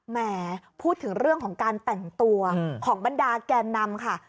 แหมพูดถึงเรื่องของการแต่งตัวของบรรดาแกนนำค่ะ